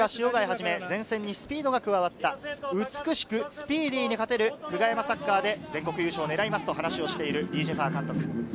今年は塩貝をはじめ、前線にスピードが加わった美しくスピーディーに勝てる久我山サッカーで全国優勝を狙いますと話している李済華監督。